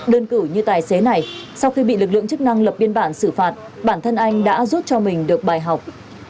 đơn cử như tài xế này sau khi bị lực lượng chức năng lập biên bản xử phạt bản thân anh đã rút cho mình được bài học